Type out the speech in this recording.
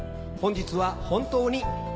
本日は本当に。